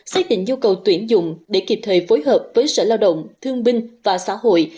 xác định nhu cầu tuyển dụng để kịp thời phối hợp với sở lao động thương binh và xã hội